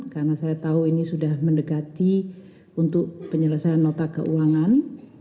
karena saya tahu ini sudah mendekati untuk penyelesaian nota keuangan